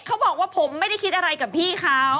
เขาบอกว่าผมไม่ได้คิดอะไรกับพี่เขา